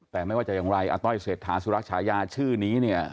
แต่ไม่ว่าจะอย่างไรอาต้อยเศรษฐาสุรชายาชื่อนี้เนี่ย